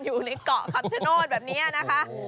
อยู่ในเกาะคัมเชโน่นแบบเนี่ยนะคะ